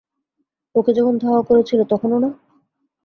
ওকে যখন ধাওয়া করছিলে তখনও না?